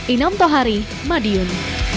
inom tohari madiun